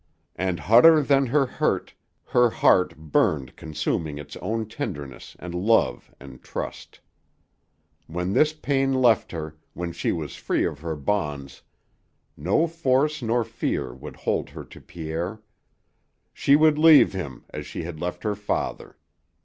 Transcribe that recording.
And hotter than her hurt her heart burned consuming its own tenderness and love and trust. When this pain left her, when she was free of her bonds, no force nor fear would hold her to Pierre. She would leave him as she had left her father.